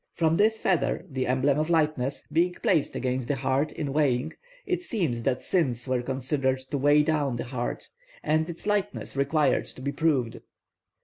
From this feather, the emblem of lightness, being placed against the heart in weighing, it seems that sins were considered to weigh down the heart, and its lightness required to be proved.